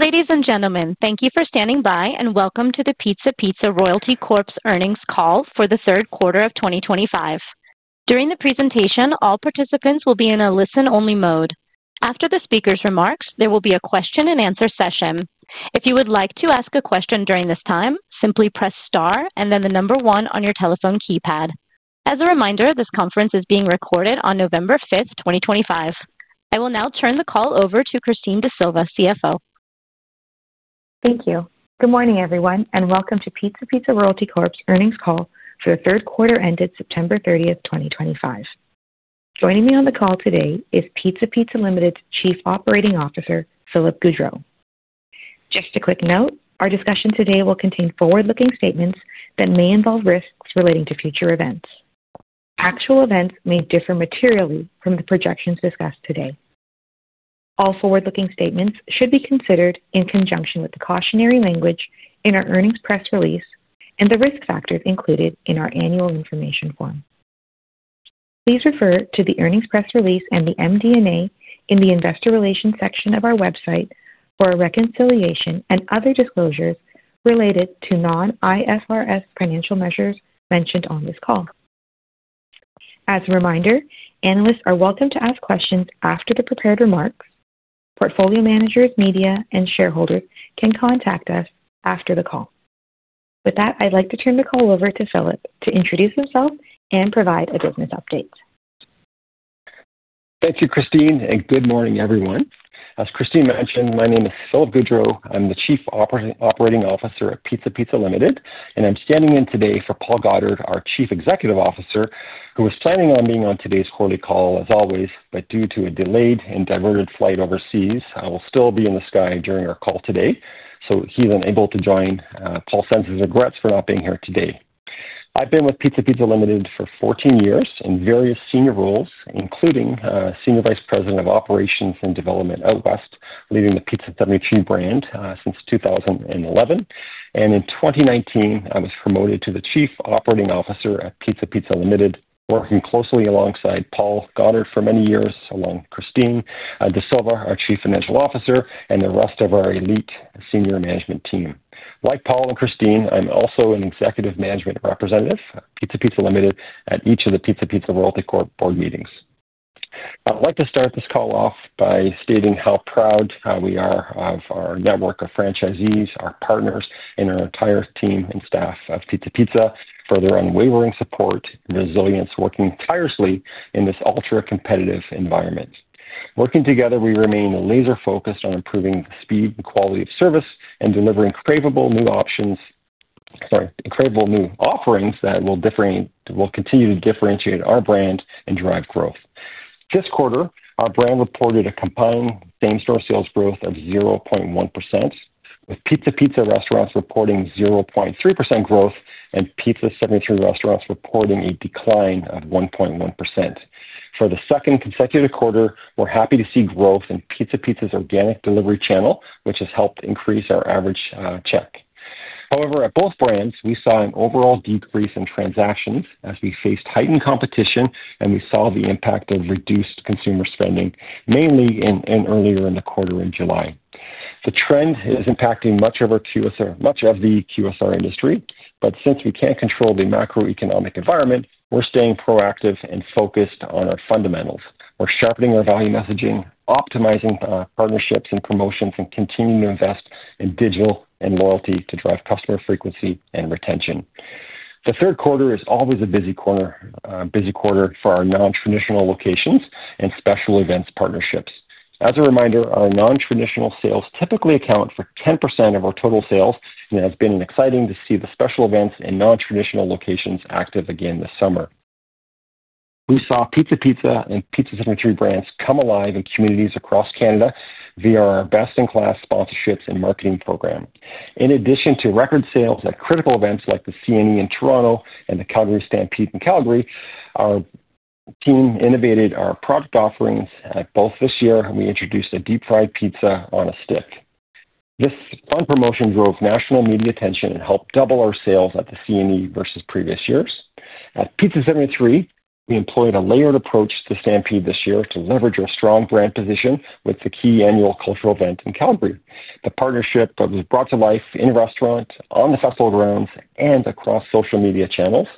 Ladies and gentlemen, thank you for standing by and welcome to the Pizza Pizza Royalty Corp. earnings call for the third quarter of 2025. During the presentation, all participants will be in a listen-only mode. After the speaker's remarks, there will be a question-and-answer session. If you would like to ask a question during this time, simply press star and then the number one on your telephone keypad. As a reminder, this conference is being recorded on November 5th, 2025. I will now turn the call over to Christine D'Sylva, CFO. Thank you. Good morning, everyone, and welcome to Pizza Pizza Royalty Corp.'s earnings call for the third quarter ended September 30, 2025. Joining me on the call today is Pizza Pizza Limited's Chief Operating Officer, Philip Goudreau. Just a quick note, our discussion today will contain forward-looking statements that may involve risks relating to future events. Actual events may differ materially from the projections discussed today. All forward-looking statements should be considered in conjunction with the cautionary language in our earnings press release and the risk factors included in our annual information form. Please refer to the earnings press release and the MD&A in the investor relations section of our website for a reconciliation and other disclosures related to non-IFRS financial measures mentioned on this call. As a reminder, analysts are welcome to ask questions after the prepared remarks. Portfolio managers, media, and shareholders can contact us after the call. With that, I'd like to turn the call over to Philip to introduce himself and provide a business update. Thank you, Christine, and good morning, everyone. As Christine mentioned, my name is Philip Goudreau. I'm the Chief Operating Officer at Pizza Pizza Limited, and I'm standing in today for Paul Goddard, our Chief Executive Officer, who was planning on being on today's quarterly call, as always, but due to a delayed and diverted flight overseas, he will still be in the sky during our call today, so he's unable to join. Paul sends his regrets for not being here today. I've been with Pizza Pizza Limited for 14 years in various senior roles, including Senior Vice President of Operations and Development at West, leading the Pizza 73 brand since 2011. In 2019, I was promoted to the Chief Operating Officer at Pizza Pizza Limited, working closely alongside Paul Goddard for many years along with Christine D'Sylva, our Chief Financial Officer, and the rest of our elite senior management team. Like Paul and Christine, I'm also an Executive Management Representative at Pizza Pizza Limited at each of the Pizza Pizza Royalty Corp. board meetings. I'd like to start this call off by stating how proud we are of our network of franchisees, our partners, and our entire team and staff of Pizza Pizza, for their unwavering support and resilience, working tirelessly in this ultra-competitive environment. Working together, we remain laser-focused on improving the speed and quality of service and delivering incredible new offerings that will continue to differentiate our brand and drive growth. This quarter, our brand reported a combined same-store sales growth of 0.1%, with Pizza Pizza restaurants reporting 0.3% growth and Pizza 73 restaurants reporting a decline of 1.1%. For the second consecutive quarter, we're happy to see growth in Pizza Pizza's organic delivery channel, which has helped increase our average check. However, at both brands, we saw an overall decrease in transactions as we faced heightened competition, and we saw the impact of reduced consumer spending, mainly earlier in the quarter in July. The trend is impacting much of our QSR, much of the QSR industry, but since we can't control the macroeconomic environment, we're staying proactive and focused on our fundamentals. We're sharpening our value messaging, optimizing partnerships and promotions, and continuing to invest in digital and loyalty to drive customer frequency and retention. The third quarter is always a busy quarter for our non-traditional locations and special events partnerships. As a reminder, our non-traditional sales typically account for 10% of our total sales, and it has been exciting to see the special events in non-traditional locations active again this summer. We saw Pizza Pizza and Pizza 73 brands come alive in communities across Canada via our best-in-class sponsorships and marketing program. In addition to record sales at critical events like the CNE in Toronto and the Calgary Stampede in Calgary, our team innovated our product offerings both this year, and we introduced a deep-fried pizza on a stick. This fun promotion drove national media attention and helped double our sales at the CNE versus previous years. At Pizza 73, we employed a layered approach to the Stampede this year to leverage our strong brand position with the key annual cultural event in Calgary. The partnership was brought to life in restaurants, on the festival grounds, and across social media channels.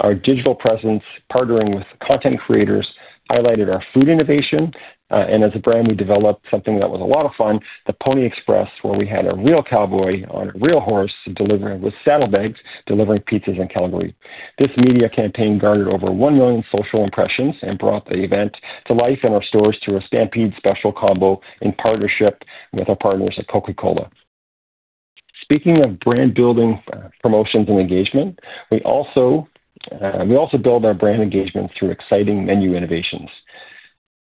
Our digital presence, partnering with content creators, highlighted our food innovation. As a brand, we developed something that was a lot of fun, the Pony Express, where we had a real cowboy on a real horse delivering with saddlebags, delivering pizzas in Calgary. This media campaign garnered over 1 million social impressions and brought the event to life in our stores through a Stampede special combo in partnership with our partners at Coca-Cola. Speaking of brand-building promotions and engagement, we also build our brand engagement through exciting menu innovations.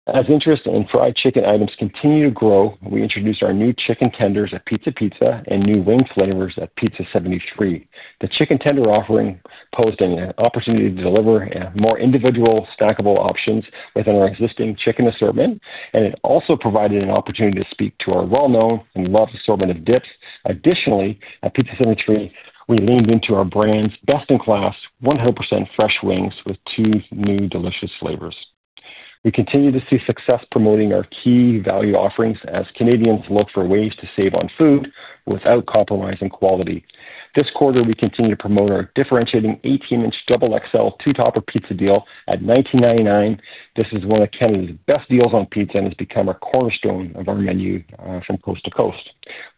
As interest in fried chicken items continued to grow, we introduced our new chicken tenders at Pizza Pizza and new wing flavors at Pizza 73. The chicken tender offering posed an opportunity to deliver more individual stackable options within our existing chicken assortment, and it also provided an opportunity to speak to our well-known and loved assortment of dips. Additionally, at Pizza 73, we leaned into our brand's best-in-class 100% fresh wings with two new delicious flavors. We continue to see success promoting our key value offerings as Canadians look for ways to save on food without compromising quality. This quarter, we continue to promote our differentiating 18-inch double XL two-topper pizza deal at 19.99. This is one of Canada's best deals on pizza and has become a cornerstone of our menu from coast to coast.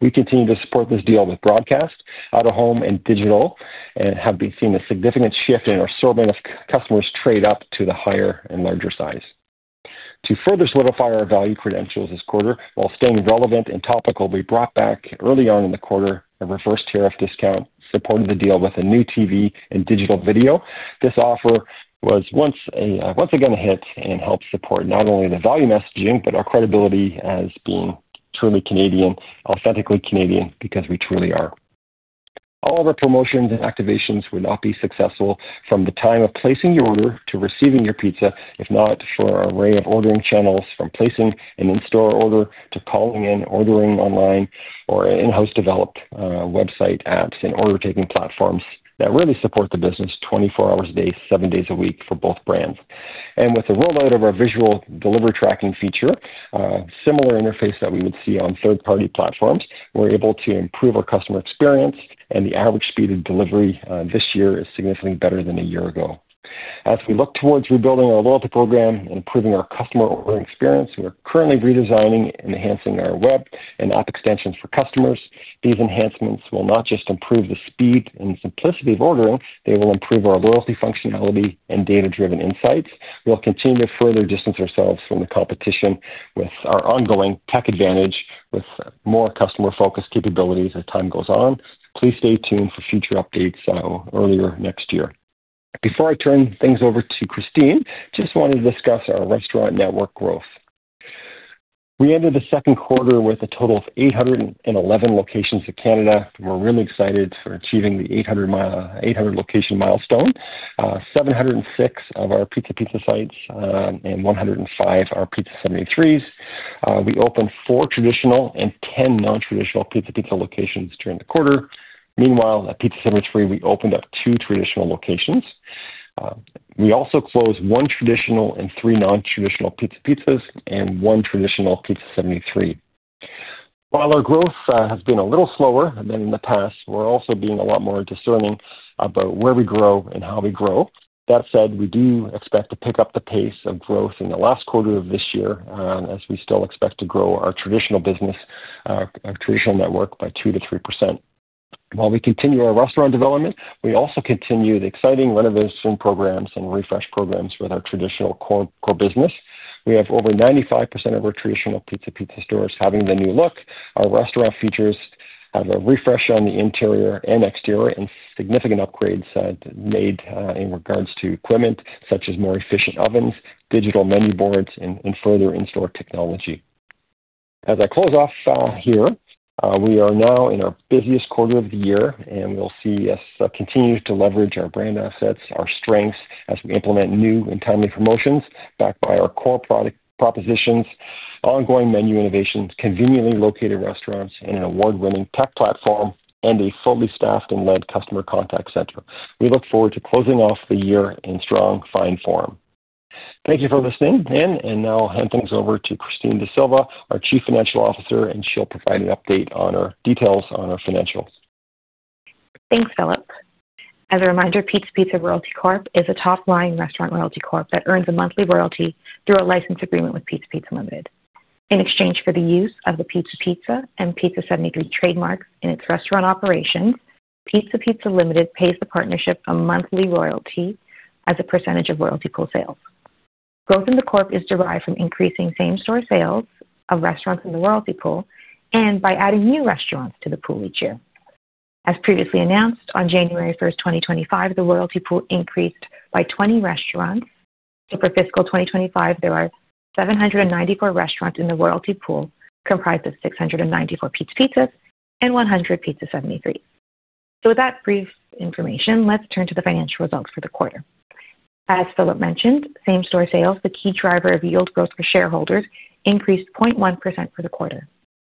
We continue to support this deal with broadcast, out-of-home, and digital, and have been seeing a significant shift in our assortment of customers trade up to the higher and larger size. To further solidify our value credentials this quarter, while staying relevant and topical, we brought back early on in the quarter a reverse tariff discount, supporting the deal with a new TV and digital video. This offer was once again a hit and helped support not only the value messaging but our credibility as being truly Canadian, authentically Canadian, because we truly are. All of our promotions and activations would not be successful from the time of placing your order to receiving your pizza, if not for our array of ordering channels, from placing an in-store order to calling in, ordering online, or in-house developed website apps and order-taking platforms that really support the business 24 hours a day, seven days a week for both brands. With the rollout of our visual delivery tracking feature, a similar interface that we would see on third-party platforms, we're able to improve our customer experience, and the average speed of delivery this year is significantly better than a year ago. As we look towards rebuilding our loyalty program and improving our customer ordering experience, we're currently redesigning and enhancing our web and app extensions for customers. These enhancements will not just improve the speed and simplicity of ordering, they will improve our loyalty functionality and data-driven insights. We'll continue to further distance ourselves from the competition with our ongoing tech advantage, with more customer-focused capabilities as time goes on. Please stay tuned for future updates earlier next year. Before I turn things over to Christine, I just wanted to discuss our restaurant network growth. We ended the second quarter with a total of 811 locations in Canada. We're really excited for achieving the 800 location milestone: 706 of our Pizza Pizza sites and 105 of our Pizza 73s. We opened four traditional and 10 non-traditional Pizza Pizza locations during the quarter. Meanwhile, at Pizza 73, we opened up two traditional locations. We also closed one traditional and three non-traditional Pizza Pizzas and one traditional Pizza 73. While our growth has been a little slower than in the past, we're also being a lot more discerning about where we grow and how we grow. That said, we do expect to pick up the pace of growth in the last quarter of this year, as we still expect to grow our traditional business. Our traditional network by 2-3%. While we continue our restaurant development, we also continue the exciting renovation programs and refresh programs with our traditional core business. We have over 95% of our traditional Pizza Pizza stores having the new look. Our restaurant features have a refresh on the interior and exterior and significant upgrades made in regards to equipment, such as more efficient ovens, digital menu boards, and further in-store technology. As I close off here, we are now in our busiest quarter of the year, and we will see us continue to leverage our brand assets, our strengths as we implement new and timely promotions backed by our core propositions, ongoing menu innovations, conveniently located restaurants, and an award-winning tech platform, and a fully staffed and led customer contact center. We look forward to closing off the year in strong, fine form. Thank you for listening, and now I'll hand things over to Christine D'Sylva, our Chief Financial Officer, and she'll provide an update on our details on our financials. Thanks, Philip. As a reminder, Pizza Pizza Royalty Corp is a top-line restaurant royalty corp that earns a monthly royalty through a license agreement with Pizza Pizza Limited. In exchange for the use of the Pizza Pizza and Pizza 73 trademarks in its restaurant operations, Pizza Pizza Limited pays the partnership a monthly royalty as a percentage of royalty pool sales. Growth in the corp is derived from increasing same-store sales of restaurants in the royalty pool and by adding new restaurants to the pool each year. As previously announced, on January 1, 2025, the royalty pool increased by 20 restaurants. For fiscal 2025, there are 794 restaurants in the royalty pool, comprised of 694 Pizza Pizza and 100 Pizza 73. With that brief information, let's turn to the financial results for the quarter. As Philip mentioned, same-store sales, the key driver of yield growth for shareholders, increased 0.1% for the quarter,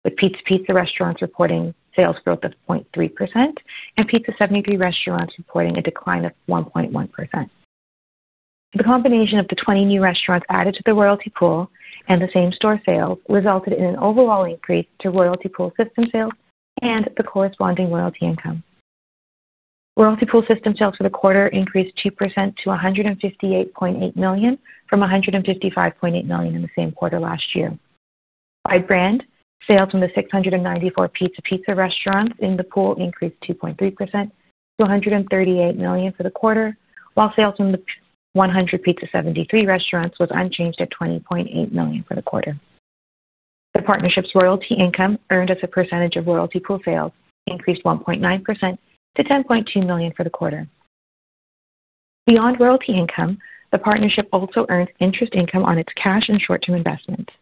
with Pizza Pizza restaurants reporting sales growth of 0.3% and Pizza 73 restaurants reporting a decline of 1.1%. The combination of the 20 new restaurants added to the royalty pool and the same-store sales resulted in an overall increase to royalty pool system sales and the corresponding royalty income. Royalty pool system sales for the quarter increased 2% to 158.8 million from 155.8 million in the same quarter last year. By brand, sales from the 694 Pizza Pizza restaurants in the pool increased 2.3% to 138 million for the quarter, while sales from the 100 Pizza 73 restaurants were unchanged at 20.8 million for the quarter. The partnership's royalty income earned as a percentage of royalty pool sales increased 1.9% to 10.2 million for the quarter. Beyond royalty income, the partnership also earned interest income on its cash and short-term investments.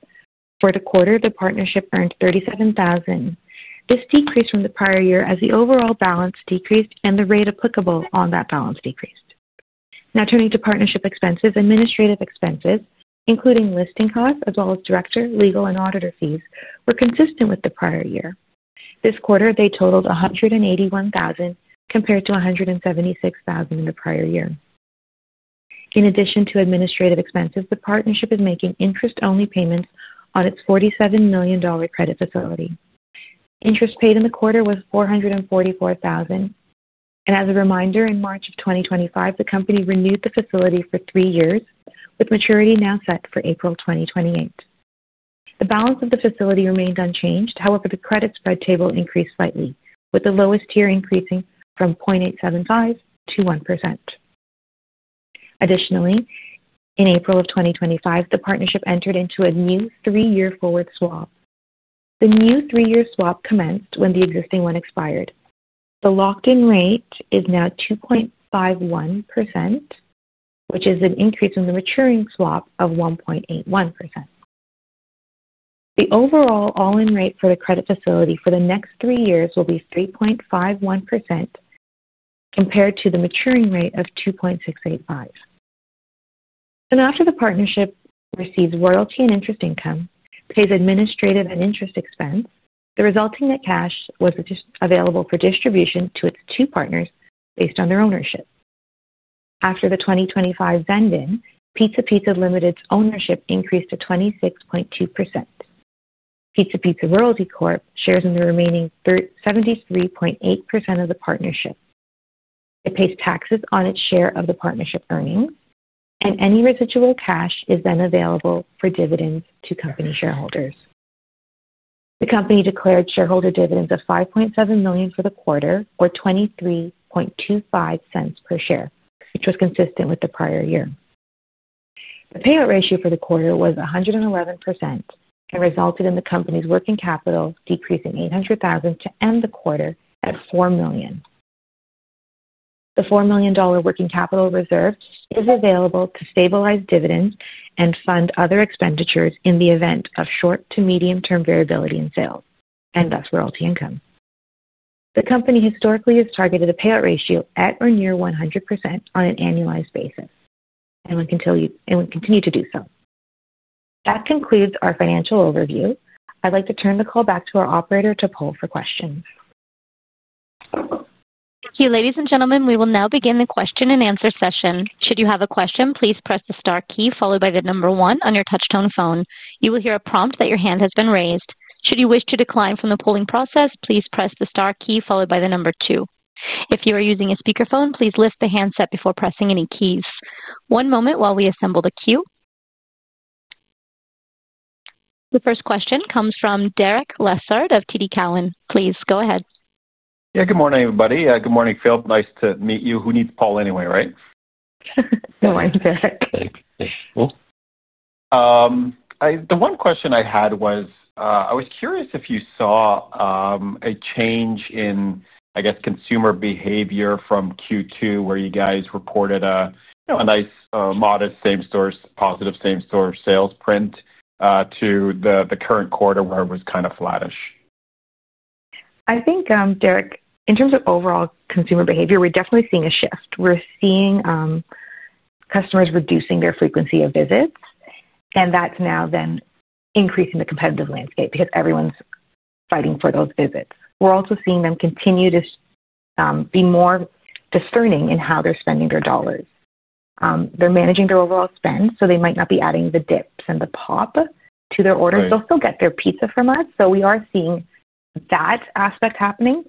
For the quarter, the partnership earned 37,000. This decreased from the prior year as the overall balance decreased and the rate applicable on that balance decreased. Now turning to partnership expenses, administrative expenses, including listing costs as well as director, legal, and auditor fees, were consistent with the prior year. This quarter, they totaled 181,000 compared to 176,000 in the prior year. In addition to administrative expenses, the partnership is making interest-only payments on its 47 million dollar credit facility. Interest paid in the quarter was 444,000. As a reminder, in March of 2025, the company renewed the facility for three years, with maturity now set for April 2028. The balance of the facility remained unchanged; however, the credit spread table increased slightly, with the lowest tier increasing from 0.875% to 1%. Additionally, in April of 2025, the partnership entered into a new three-year forward swap. The new three-year swap commenced when the existing one expired. The locked-in rate is now 2.51%, which is an increase in the maturing swap of 1.81%. The overall all-in rate for the credit facility for the next three years will be 3.51%, compared to the maturing rate of 2.685%. After the partnership receives royalty and interest income, pays administrative and interest expense, the resulting net cash was available for distribution to its two partners based on their ownership. After the 2025 vending, Pizza Pizza Limited's ownership increased to 26.2%. Pizza Pizza Royalty Corp shares in the remaining 73.8% of the partnership. It pays taxes on its share of the partnership earnings, and any residual cash is then available for dividends to company shareholders. The company declared shareholder dividends of 5.7 million for the quarter, or 0.2325 per share, which was consistent with the prior year. The payout ratio for the quarter was 111% and resulted in the company's working capital decreasing 800,000 to end the quarter at 4 million. The 4 million dollar working capital reserves is available to stabilize dividends and fund other expenditures in the event of short to medium-term variability in sales and thus royalty income. The company historically has targeted a payout ratio at or near 100% on an annualized basis, and we continue to do so. That concludes our financial overview. I'd like to turn the call back to our operator to poll for questions. Thank you, ladies and gentlemen. We will now begin the question-and-answer session. Should you have a question, please press the star key followed by the number one on your touch-tone phone. You will hear a prompt that your hand has been raised. Should you wish to decline from the polling process, please press the star key followed by the number two. If you are using a speakerphone, please lift the handset before pressing any keys. One moment while we assemble the queue. The first question comes from Derek Lessard of TD Cowen. Please go ahead. Yeah, good morning, everybody. Good morning, Phil. Nice to meet you. Who needs Paul anyway, right? No, I'm Derek. Thanks. Cool. The one question I had was, I was curious if you saw a change in, I guess, consumer behavior from Q2, where you guys reported a nice, modest same-store, positive same-store sales print to the current quarter where it was kind of flattish. I think, Derek, in terms of overall consumer behavior, we're definitely seeing a shift. We're seeing customers reducing their frequency of visits, and that's now then increasing the competitive landscape because everyone's fighting for those visits. We're also seeing them continue to be more discerning in how they're spending their dollars. They're managing their overall spend, so they might not be adding the dips and the pop to their orders. They'll still get their pizza from us, so we are seeing that aspect happening.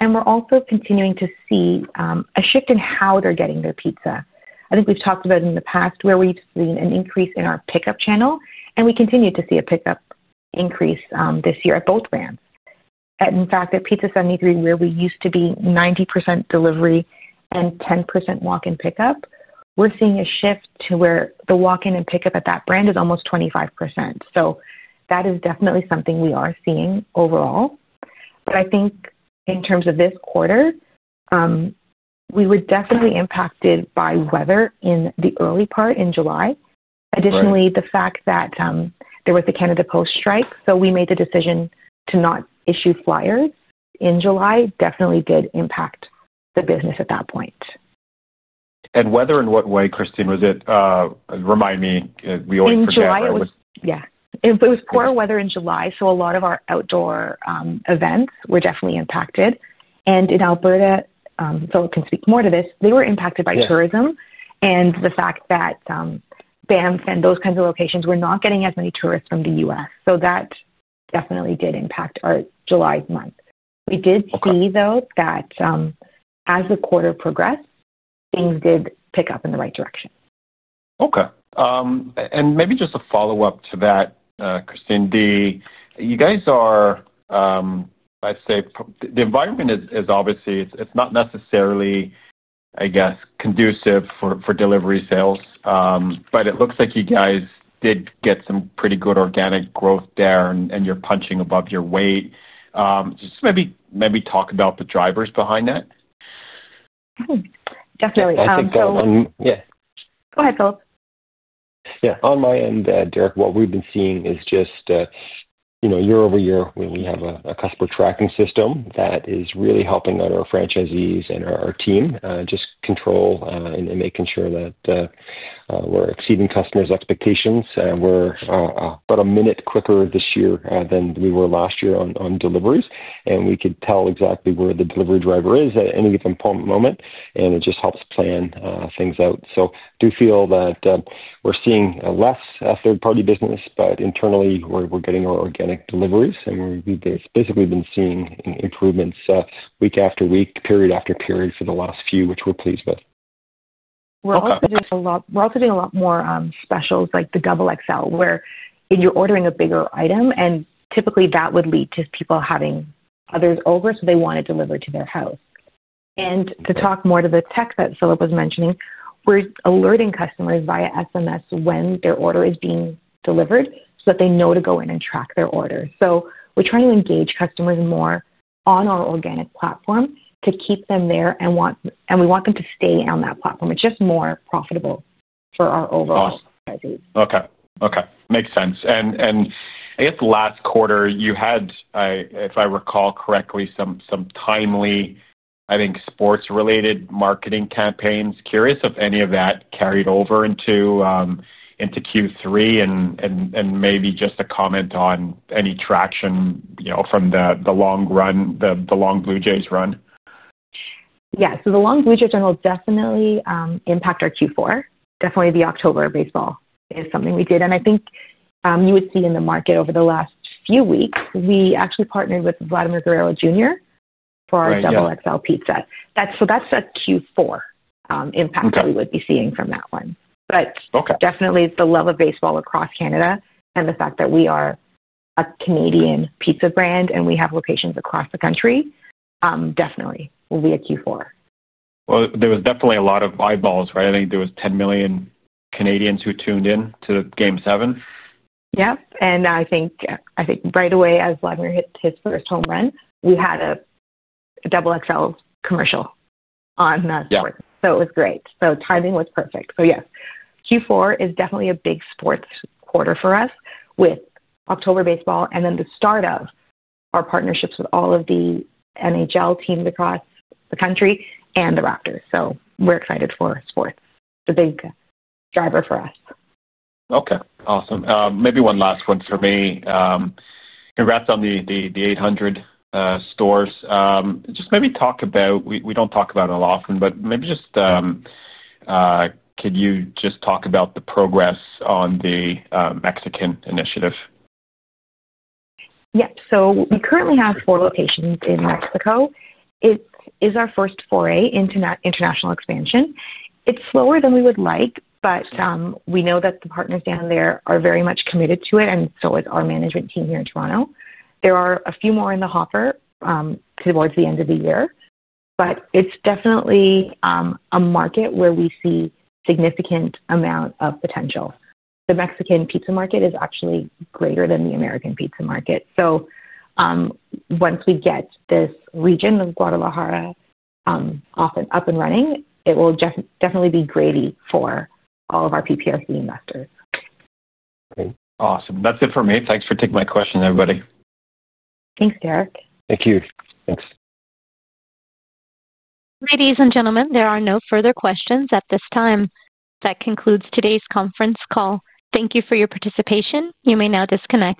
We're also continuing to see a shift in how they're getting their pizza. I think we've talked about it in the past where we've seen an increase in our pickup channel, and we continue to see a pickup increase this year at both brands. In fact, at Pizza 73, where we used to be 90% delivery and 10% walk-in pickup, we're seeing a shift to where the walk-in and pickup at that brand is almost 25%. That is definitely something we are seeing overall. I think in terms of this quarter, we were definitely impacted by weather in the early part in July. Additionally, the fact that there was the Canada Post strike, so we made the decision to not issue flyers in July, definitely did impact the business at that point. Weather in what way, Christine? Remind me. We always forget weather. In July, yeah. It was poor weather in July, so a lot of our outdoor events were definitely impacted. In Alberta, Phil can speak more to this, they were impacted by tourism and the fact that Banff and those kinds of locations were not getting as many tourists from the U.S. That definitely did impact our July month. We did see, though, that as the quarter progressed, things did pick up in the right direction. Okay. Maybe just a follow-up to that, Christine. You guys are, I'd say, the environment is obviously, it's not necessarily, I guess, conducive for delivery sales, but it looks like you guys did get some pretty good organic growth there, and you're punching above your weight. Just maybe talk about the drivers behind that. Definitely. I think that one, yeah. Go ahead, Philip. Yeah. On my end, Derek, what we've been seeing is just year over year, we have a customer tracking system that is really helping our franchisees and our team just control and making sure that we're exceeding customers' expectations. We're about a minute quicker this year than we were last year on deliveries, and we could tell exactly where the delivery driver is at any given moment, and it just helps plan things out. I do feel that we're seeing less third-party business, but internally, we're getting more organic deliveries, and we've basically been seeing improvements week after week, period after period for the last few, which we're pleased with. We're also doing a lot more specials like the double XL, where you're ordering a bigger item, and typically, that would lead to people having others over, so they want it delivered to their house. To talk more to the tech that Philip was mentioning, we're alerting customers via SMS when their order is being delivered so that they know to go in and track their order. We're trying to engage customers more on our organic platform to keep them there, and we want them to stay on that platform. It's just more profitable for our overall franchisees. Okay. Okay. Makes sense. I guess last quarter, you had, if I recall correctly, some timely, I think, sports-related marketing campaigns. Curious if any of that carried over into Q3 and maybe just a comment on any traction from the long Blue Jays run. Yeah. The long Blue Jays run will definitely impact our Q4. Definitely, the October baseball is something we did. I think you would see in the market over the last few weeks, we actually partnered with Vladimir Guerrero Jr. for our double XL pizza. That is a Q4 impact that we would be seeing from that one. Definitely, the love of baseball across Canada and the fact that we are a Canadian pizza brand and we have locations across the country definitely will be a Q4. There was definitely a lot of eyeballs, right? I think there were 10 million Canadians who tuned in to Game 7. Yep. I think right away, as Vladimir hit his first home run, we had a double XL commercial on that sport. It was great. Timing was perfect. Q4 is definitely a big sports quarter for us with October baseball and then the start of our partnerships with all of the NHL teams across the country and the Raptors. We're excited for sports. It's a big driver for us. Okay. Awesome. Maybe one last one for me. Congrats on the 800 stores. Just maybe talk about, we don't talk about it often, but maybe just. Could you just talk about the progress on the Mexican initiative? Yep. So we currently have four locations in Mexico. It is our first foray into international expansion. It's slower than we would like, but we know that the partners down there are very much committed to it, and so is our management team here in Toronto. There are a few more in the hopper towards the end of the year, but it's definitely a market where we see a significant amount of potential. The Mexican pizza market is actually greater than the American pizza market. Once we get this region of Guadalajara up and running, it will definitely be gravy for all of our PPSC investors. Okay. Awesome. That's it for me. Thanks for taking my questions, everybody. Thanks, Derek. Thank you. Thanks. Ladies and gentlemen, there are no further questions at this time. That concludes today's conference call. Thank you for your participation. You may now disconnect.